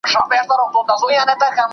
دا یو عیب یې په کور وو